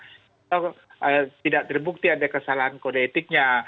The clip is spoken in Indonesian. dalam lingkup kesalahan berat kesalahan ringan tidak terbukti ada kesalahan kode etiknya